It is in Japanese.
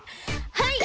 はい。